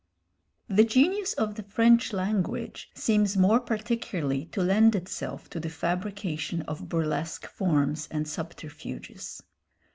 The genius of the French language seems more particularly to lend itself to the fabrication of burlesque forms and subterfuges.